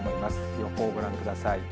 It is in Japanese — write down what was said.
予報ご覧ください。